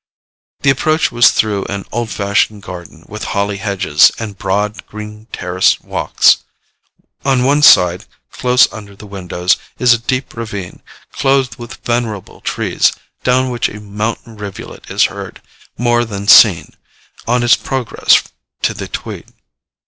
The approach was through an old fashioned garden, with holly hedges, and broad, green terrace walks. On one side, close under the windows, is a deep ravine, clothed with venerable trees, down which a mountain rivulet is heard, more than seen, on its progress to the Tweed.